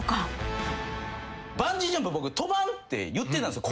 バンジージャンプは僕とばんって言ってたんですよ。